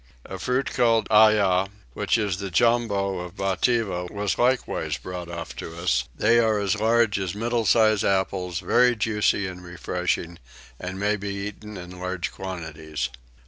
A fruit called Ayyah, which is the jambo of Batavia, was likewise brought off to us: they are as large as middle sized apples, very juicy and refreshing, and may be eaten in large quantities.